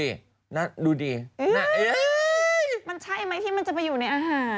เฮ้ยมันใช่ไหมที่มันจะไปอยู่ในอาหาร